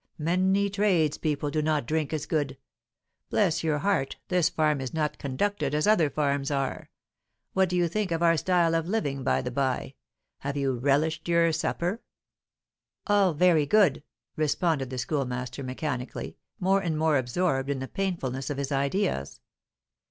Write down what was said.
"Many tradespeople do not drink as good. Bless your heart, this farm is not conducted as other farms are, what do you think of our style of living, by the by? have you relished your supper?" "All very good," responded the Schoolmaster mechanically, more and more absorbed in the painfulness of his ideas.